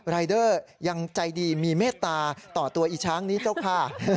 รายเดอร์ยังใจดีมีเมตตาต่อตัวอีช้างนี้เจ้าค่ะ